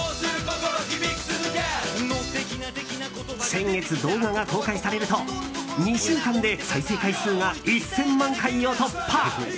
先月、動画が公開されると２週間で再生回数が１０００万回を突破。